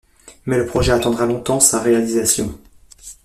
Mais le projet attendra longtemps sa réalisation.